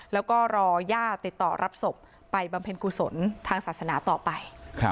แล้วก็รอย่าติดต่อรับศพไปบำเพ็ญกุศลทางศาสนาต่อไป